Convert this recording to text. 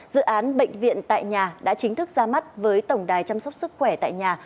dự án bệnh viện tại nhà đã chính thức ra mắt với tổng đài chăm sóc sức khỏe tại nhà